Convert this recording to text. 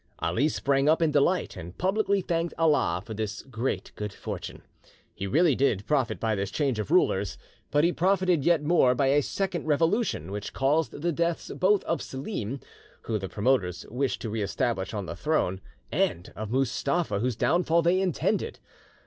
Ali sprang up in delight, and publicly thanked Allah for this great good fortune. He really did profit by this change of rulers, but he profited yet more by a second revolution which caused the deaths both of Selim, whom the promoters wished to reestablish on the throne, and of Mustapha whose downfall they intended.